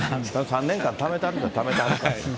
３年間ためてはる人はためてはるから。